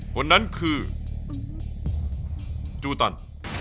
คนนั้นคือจูตัน